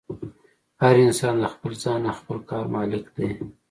هر انسان د خپل ځان او خپل کار مالک دی.